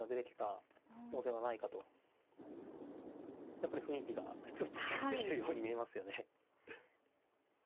やっぱり雰囲気がちょっと違ってきてるように見えますよね。